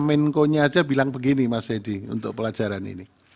menko nya aja bilang begini mas edy untuk pelajaran ini